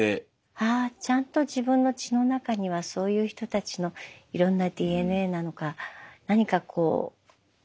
ああちゃんと自分の血の中にはそういう人たちのいろんなＤＮＡなのか何かこう性格って面白いですね。